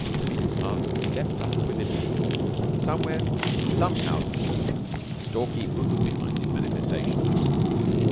Beetle's heart leaped up within him. Somewhere, somehow, he knew, Stalky moved behind these manifestations.